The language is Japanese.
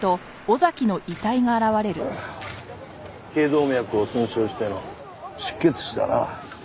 頸動脈を損傷しての失血死だな。